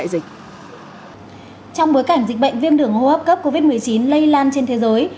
trong bối cảnh dịch bệnh viêm đường hô hấp cấp covid một mươi chín lây lan trên thế giới